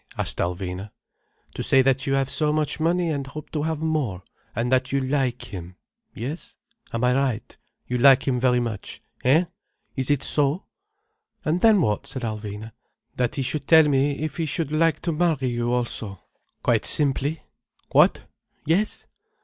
asked Alvina. "To say that you have so much money, and hope to have more. And that you like him—Yes? Am I right? You like him very much?—hein? Is it so?" "And then what?" said Alvina. "That he should tell me if he should like to marry you also—quite simply. What? Yes?"